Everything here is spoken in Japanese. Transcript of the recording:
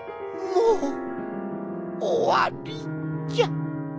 もうおわりじゃ。